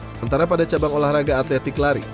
sementara pada cabang olahraga atletik lari